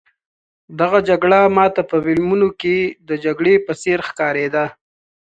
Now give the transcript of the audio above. دغه جګړه ما ته په فلمونو کې د جګړې په څېر ښکارېده.